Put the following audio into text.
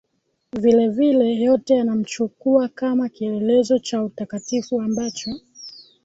Vilevile yote yanamchukua kama kielelezo cha utakatifu ambacho